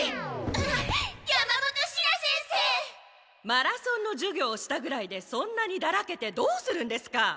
マラソンの授業をしたぐらいでそんなにだらけてどうするんですか。